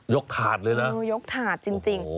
ยกถาดเลยนะโอ้โฮยกถาดจริง